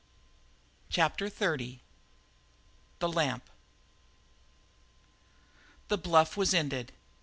CHAPTER XXX THE LAMP The bluff was ended.